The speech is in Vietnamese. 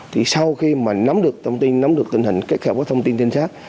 thì sau khi mà nắm được thông tin nắm được tình hình kết hợp với thông tin trinh sát